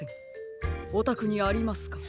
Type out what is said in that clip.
おたくにありますか？